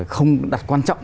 không đặt quan trọng